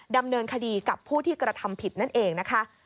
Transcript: ดำเนินคดีกับผู้ที่กระทำผิดนั่นเองนะคะ